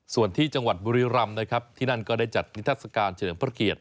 ส่วนที่จังหวัดบุรีรำนะครับที่นั่นก็ได้จัดนิทัศกาลเฉลิมพระเกียรติ